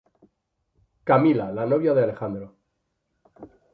Camila, la novia de Alejandro.